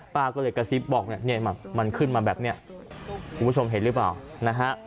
ป้าก็เลยกระซิบบอกมันขึ้นมาแบบนี้คุณผู้ชมเห็นหรือเปล่า